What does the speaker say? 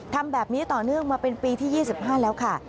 ทำแบบนี้ต่อเนื่องมาเป็นปีที่๒๕แล้วค่ะ